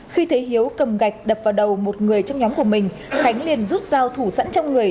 khi thấy hiếu cầm gạch đập vào đầu một người trong nhóm của mình khánh liền rút dao thủ sẵn trong người